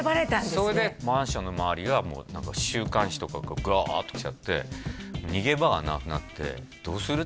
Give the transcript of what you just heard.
それでマンションの周りはもう何か週刊誌とかがグワーッと来ちゃって逃げ場がなくなって「どうする？」